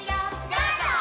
どうぞー！